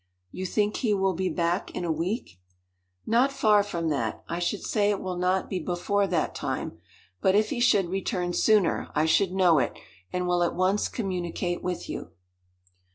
"You think he will be back in a week?" "Not far from that. I should say it will not be before that time; but if he should return sooner, I should know it, and will at once communicate with you."